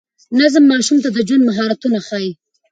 نظم ماشوم ته د ژوند مهارتونه ښيي.